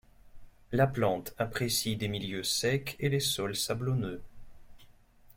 La plante apprécie des milieux secs et les sols sablonneux.